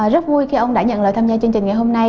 rất vui khi ông đã nhận lời tham gia chương trình ngày hôm nay